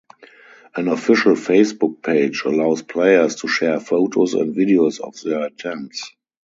An official Facebook page allows players to share photos and videos of their attempts.